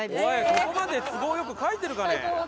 そこまで都合よく書いてるかね？